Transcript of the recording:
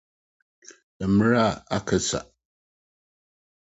Bere a aka sua.